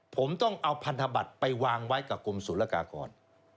ผมต้องเอาพันธบัตรไปวางไว้กับกรมศูนยากากร